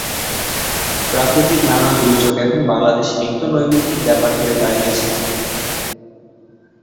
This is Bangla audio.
প্রাকৃতিক নানা দুর্যোগ এখন বাংলাদেশে নিত্য নৈমিত্তিক ব্যাপার হয়ে দাঁড়িয়েছে।